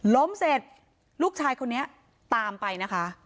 ล้มเสร็จลูกชายคนนี้ตามไปนะคะ